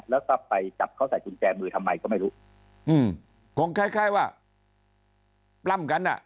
แล้วก็ไปจับเขาใส่กุญแจมือทำไมก็ไม่รู้อืมคงคล้ายคล้ายว่าปล้ำกันอ่ะ